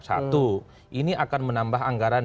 satu ini akan menambah anggaran